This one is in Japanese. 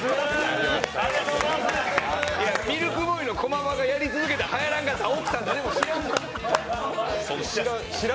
ミルクボーイの駒場がやり続けて、はやらんかった、奥さーん誰も知らんから。